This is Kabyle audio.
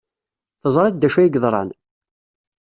Teẓrid d acu ay yeḍran?